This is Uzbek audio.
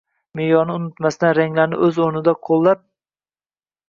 Me’yorni unutmasdan, ranglarni o‘z o‘rnida qo‘llab